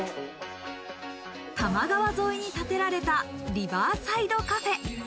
多摩川沿いに建てられたリバーサイドカフェ。